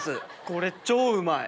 これ超うまい！